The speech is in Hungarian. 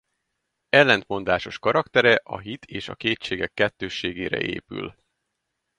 Ellentmondásos karaktere a hit és a kétségek kettősségére épül.